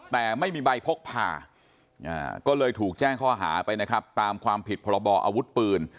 แต่ไม่มีใบพกผ่าก็เลยถูกแจ้งข้อหาไปนะครับตามความผิดพรบออาวุธปืน